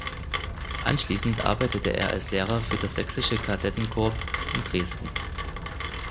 Anschließend arbeitete er als Lehrer für das Sächsische Kadettenkorps in Dresden.